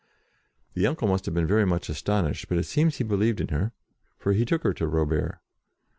The uncle must have been very much as tonished, but it seems that he believed in her, for he took her to Robert.